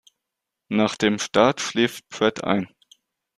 Nach dem Start schläft Pratt ein.